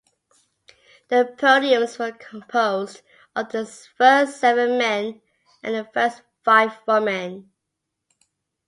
The podiums were composed of the first seven men and the first five women.